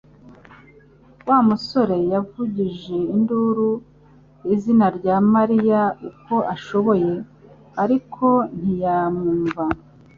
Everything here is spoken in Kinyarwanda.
Wa musore yavugije induru izina rya Mariya uko ashoboye, ariko ntiyamwumva